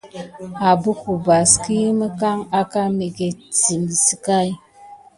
Apaku bas ki makan aka migəkine sime sigaï.